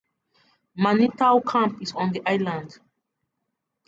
Manitou Camp is on the island.